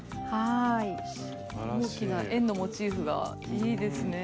大きな円のモチーフがいいですねぇ。